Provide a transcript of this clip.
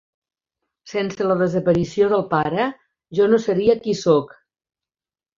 Sense la desaparició del pare jo no seria qui sóc.